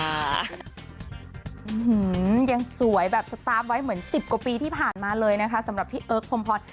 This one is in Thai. ยังสวยแบบสตาร์ฟไว้เหมือนสิบกว่าปีที่ผ่านมาเลยนะคะสำหรับพี่เอิร์กพรมพร